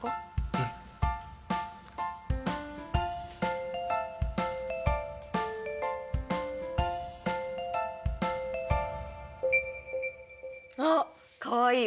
うん。あっかわいい！